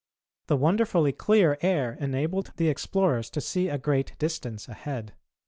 The wonderfully clear air enabled the explorers to see a great distance ahead.